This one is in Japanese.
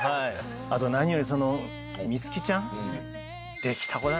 あと何より美月ちゃん。